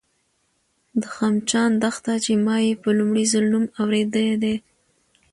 د خمچان دښته، چې ما یې په لومړي ځل نوم اورېدی دی